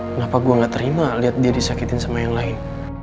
kenapa gue gak terima lihat dia disakitin sama yang lain